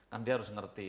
kan dia harus ngerti